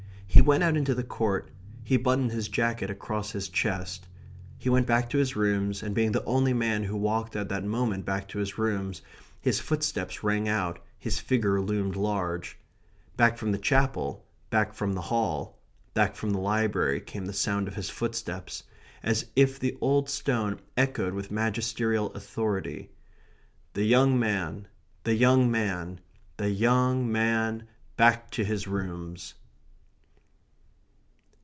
He went out into the court. He buttoned his jacket across his chest. He went back to his rooms, and being the only man who walked at that moment back to his rooms, his footsteps rang out, his figure loomed large. Back from the Chapel, back from the Hall, back from the Library, came the sound of his footsteps, as if the old stone echoed with magisterial authority: "The young man the young man the young man back to his rooms."